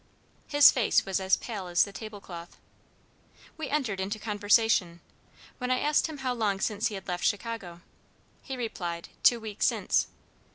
His face was as pale as the table cloth. We entered into conversation, when I asked him how long since he had left Chicago. He replied, 'Two weeks since.'